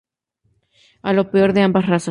A lo peor de ambas razas.